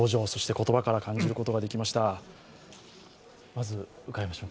言葉から感じることができました。